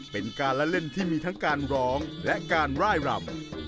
เป็นการละเล่นที่มีทั้งการร้องและการร่ายรำ